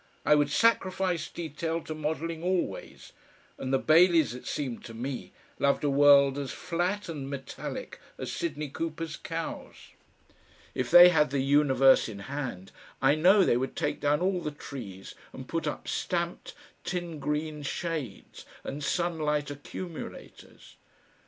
I would sacrifice detail to modelling always, and the Baileys, it seemed to me, loved a world as flat and metallic as Sidney Cooper's cows. If they had the universe in hand I know they would take down all the trees and put up stamped tin green shades and sunlight accumulators.